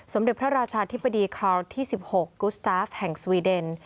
เด็จพระราชาธิบดีคาราวที่๑๖กุสตาฟแห่งสวีเดน